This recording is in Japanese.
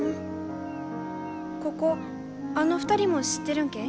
ここあの２人も知ってるんけ？